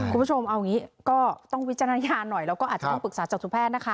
คุณผู้ชมเอางี้ก็ต้องวิจารณญาณหน่อยแล้วก็อาจจะต้องปรึกษาจตุแพทย์นะคะ